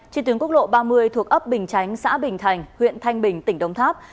trên tuyến quốc lộ ba mươi thuộc ấp bình chánh xã bình thành huyện thanh bình tỉnh đồng tháp